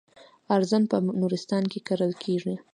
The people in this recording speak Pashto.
ارزن په نورستان کې کرل کیږي.